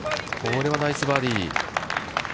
これはナイスバーディー。